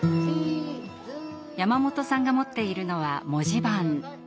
山本さんが持っているのは文字盤。